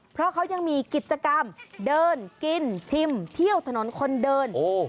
เพราะเขายังมีกิจกรรมเดินกินชิมเที่ยวถนนคนเดิน